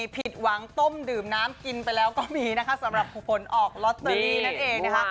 ผิดหวังต้มดื่มน้ำกินไปแล้วก็มีนะคะสำหรับผลออกลอตเตอรี่นั่นเองนะคะ